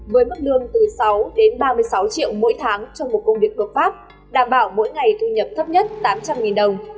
với mức lương từ sáu đến ba mươi sáu triệu mỗi tháng cho một công việc hợp pháp đảm bảo mỗi ngày thu nhập thấp nhất tám trăm linh đồng